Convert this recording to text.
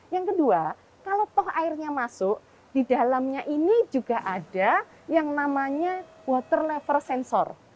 yang kedua kalau toh airnya masuk di dalamnya ini juga ada yang namanya water level sensor